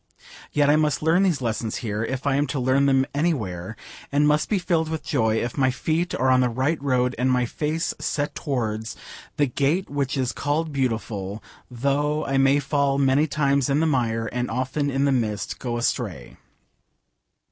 Yet I must learn these lessons here, if I am to learn them anywhere, and must be filled with joy if my feet are on the right road and my face set towards 'the gate which is called beautiful,' though I may fall many times in the mire and often in the mist go astray.